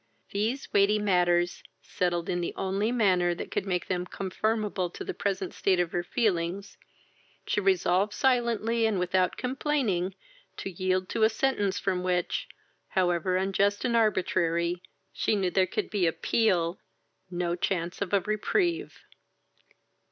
These weighty matters settled in the only manner that could make them conformable to the present state of her feelings, she resolved silently and without complaining to yield to a sentence from which, however unjust and arbitrary, she knew there could be appeal, no chance of a reprieve.